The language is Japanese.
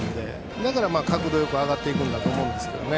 だから角度よく上がっていくと思うんですけどね。